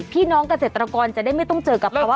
พี่น้องเกษตรกรจะได้ไม่ต้องเจอกับภาวะ